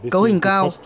cấu hình cao